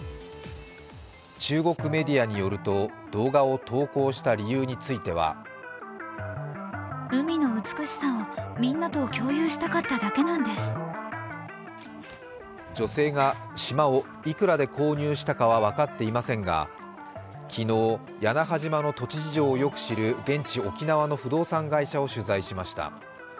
中国メディアによると動画を投稿した理由については女性が島をいくらで購入したかは分かっていませんが昨日、屋那覇島の土地事情をよく知る現地沖縄の不動産会社を取材しました。